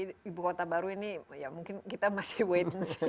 iya tapi ibu kota baru ini ya mungkin kita masih waiting sih